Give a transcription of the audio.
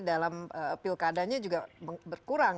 dalam pilkadanya juga berkurang